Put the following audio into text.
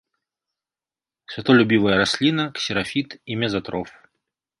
Святлолюбівая расліна, ксерафіт і мезатроф.